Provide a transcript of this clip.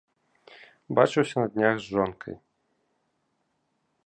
Бачыўся на днях з жонкай.